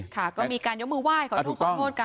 ค่ะก็มีการยกมือไหว้ขอทุกคนโทษกันอ่ะถูกต้อง